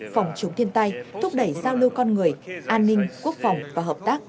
phòng chống thiên tai thúc đẩy giao lưu con người an ninh quốc phòng và hợp tác